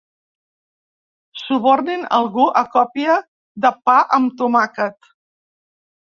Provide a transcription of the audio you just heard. Subornin algú a còpia de pa amb tomàquet.